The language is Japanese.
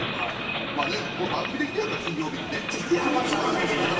番組的には金曜日にね。